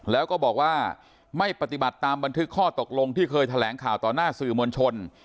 แล้วก็บอกว่าไม่ปฏิบัติตามบันทึกข้อตกลงที่เคยแถลงข่าวต่อหน้าสื่อมวลชน